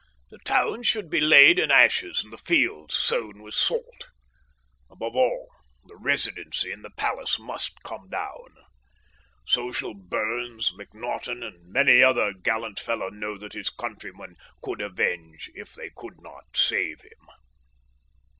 The towns should be laid in ashes and the fields sown with salt. Above all, the Residency and the Palace must come down. So shall Burnes, McNaghten, and many another gallant fellow know that his countrymen could avenge if they could not save him!